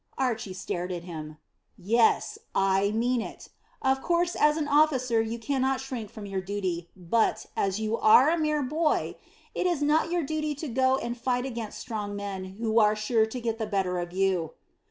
Archy stared at him. "Yes: I mean it. Of course as an officer you cannot shrink from your duty, but, as you are a mere boy, it is not your duty to go and fight against strong men who are sure to get the better of you."